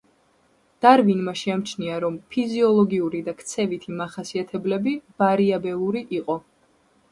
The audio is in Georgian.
დარვინმა შეამჩნია, რომ ფიზიოლოგიური და ქცევითი მახასიათებლები ვარიაბელური იყო.